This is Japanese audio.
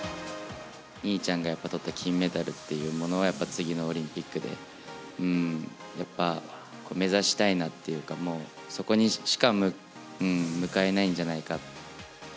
兄ちゃんがとった金メダルというものは、やっぱ次のオリンピックで、やっぱ、目指したいなっていうか、もう、そこにしか向かえないんじゃないか。